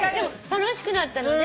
楽しくなったので。